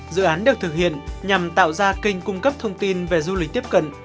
dự án được thực hiện nhằm tạo ra kênh cung cấp thông tin về du lịch tiếp cận